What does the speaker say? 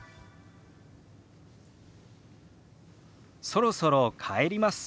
「そろそろ帰ります」。